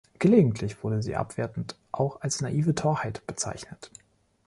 Gelegentlich wurde sie abwertend auch als naive Torheit bezeichnet.